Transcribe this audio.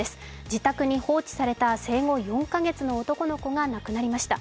自宅に放置された生後４カ月の男の子が亡くなりました。